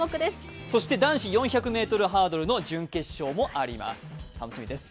そして男子４００ｍハードル準決勝もあります、楽しみです。